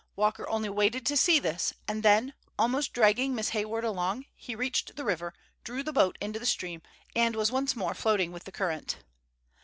Walker only waited to see this, and then, almost dragging Miss Hayward along, he reached the river, drew the boat into the stream, and was once more floating with the current.